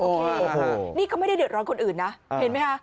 โอ้โหนี่เขาไม่ได้เดือดร้อนคนอื่นนะเห็นไหมคะ